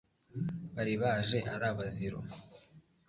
bari baje ari abaziro